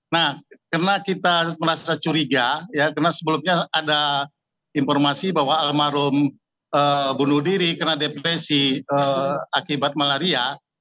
nah karena kita merasa curiga ya karena sebelumnya ada informasi bahwa almarhum bunuh diri kena depresi akibat malaria